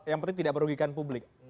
yang penting tidak merugikan publik